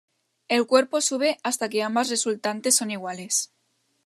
El cuerpo sube hasta que ambas resultantes son iguales.